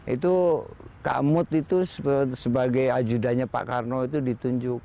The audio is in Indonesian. itu kak mut itu sebagai ajudannya pak karno itu ditunjuk